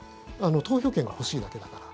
投票券が欲しいだけだから。